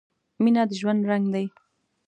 • مینه د ژوند رنګ دی.